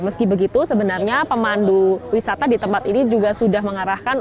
meski begitu sebenarnya pemandu wisata di tempat ini juga sudah mengarahkan